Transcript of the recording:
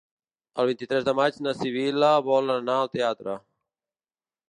El vint-i-tres de maig na Sibil·la vol anar al teatre.